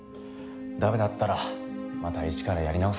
駄目だったらまた一からやり直せばいいし。